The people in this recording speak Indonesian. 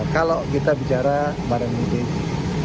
kalau kita bicara pada minggu ini